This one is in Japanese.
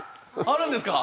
あるんですか？